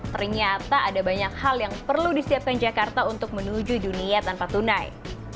ternyata ada banyak hal yang perlu disiapkan jakarta untuk menuju dunia tanpa tunai